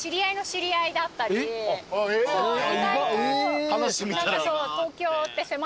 意外と。